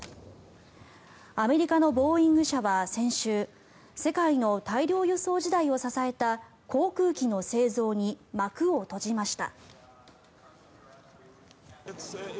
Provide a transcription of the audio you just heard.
アメリカのボーイング社は、先週世界の大量輸送時代を支えた航空機の製造に幕を閉じました。